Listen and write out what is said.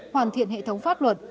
hoàn thiện hệ thống pháp luật